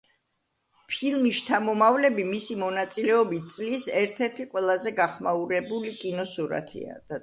ფილმი „შთამომავლები“ მისი მონაწილეობით წლის ერთ-ერთი ყველაზე გახმაურებული კინოსურათია.